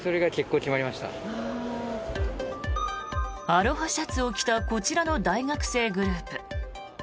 アロハシャツを着たこちらの大学生グループ。